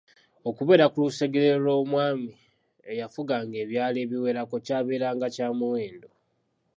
Okubeera ku lusegere lw’omwami eyafuganga ebyalo ebiwerako kyabeera nga kya muwendo.